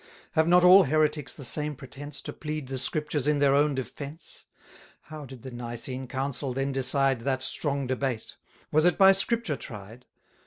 Have not all heretics the same pretence To plead the Scriptures in their own defence? How did the Nicene Council then decide That strong debate? was it by Scripture tried?